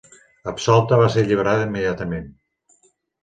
Absolta, va ser alliberada immediatament.